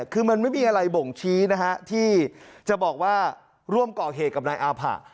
คือมันไม่มีอะไรบ่งชี้นะฮะที่จะบอกว่าร่วมก่อเหตุกับนายอาผะ